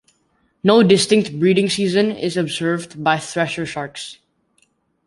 No distinct breeding season is observed by thresher sharks.